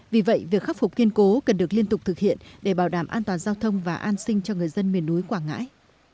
vì vậy việc khắc phục kiên cố cần được liên tục thực hiện để bảo đảm an toàn giao thông và an sinh cho người dân miền núi quảng ngãi